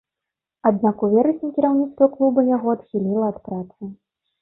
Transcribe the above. Аднак у верасні кіраўніцтва клуба яго адхіліла ад працы.